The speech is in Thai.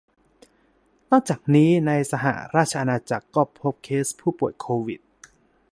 นอกจากนี้ในสหราชอาณาจักรก็พบเคสผู้ป่วยโควิด